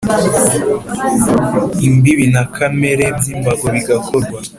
imbibi na kamere by imbago bigakorwa